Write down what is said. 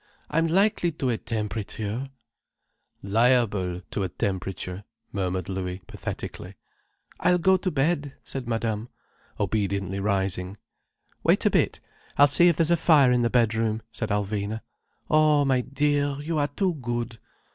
I'm likely to a temperature—" "Liable to a temperature," murmured Louis pathetically. "I'll go to bed," said Madame, obediently rising. "Wait a bit. I'll see if there's a fire in the bedroom," said Alvina. "Oh, my dear, you are too good.